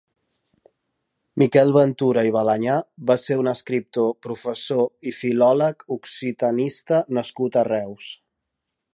Miquel Ventura i Balanyà va ser un escriptor, professor i filòleg occitanista nascut a Reus.